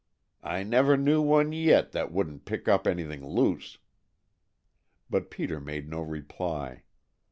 "I never knew one yit that wouldn't pick up anything loose," but Peter made no reply.